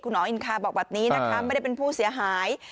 อินคาบอกแบบนี้นะคะไม่ได้เป็นผู้เสียหาย